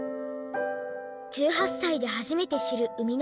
１８歳で初めて知る生みの母。